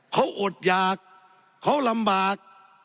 เขาอดหยากเขาลำบาก